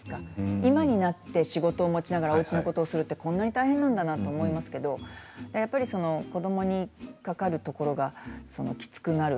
今になって仕事を持ちながらおうちのことをするってこんなに大変なんだなと思いますけれどやっぱり子どもにかかるところがきつくなる。